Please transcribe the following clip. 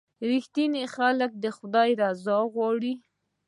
• رښتیني خلک د خدای رضا غواړي.